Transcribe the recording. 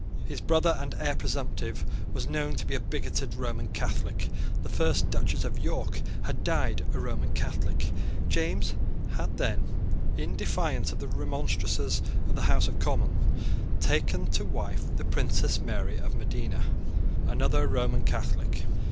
His brother and heir presumptive was known to be a bigoted Roman Catholic. The first Duchess of York had died a Roman Catholic. James had then, in defiance of the remonstrances of the House of Commons, taken to wife the Princess Mary of Modena, another Roman Catholic.